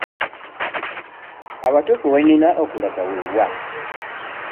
Awatuufu we nnina okulaga we wa?